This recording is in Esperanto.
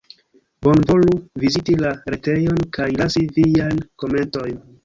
Bonvolu viziti la retejon kaj lasi viajn komentojn!